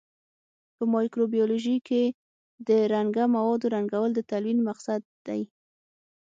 په مایکروبیولوژي کې د رنګه موادو رنګول د تلوین مقصد دی.